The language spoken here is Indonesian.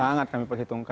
sangat kami perhitungkan